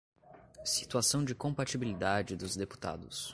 Situação de compatibilidade dos deputados.